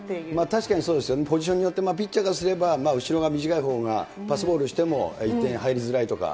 確かにそうですよね、ポジションによってピッチャーからすれば後ろが短いほうが、パスボールしても１点入りづらいとか。